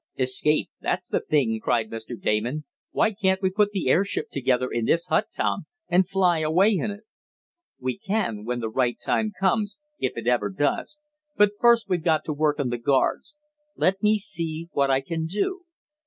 "Escape! That's the thing!" cried Mr. Damon. "Why can't we put the airship together in this hut, Tom, and fly away in it?" "We can, when the right time comes if it ever does but first we've got to work on the guards. Let me see what I can do?